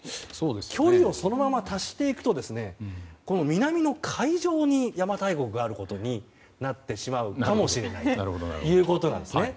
距離をそのまま足していくと南の海上に邪馬台国があることになってしまうかもしれないということなんですね。